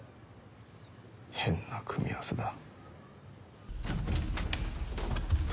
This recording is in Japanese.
変な組み合わせだ。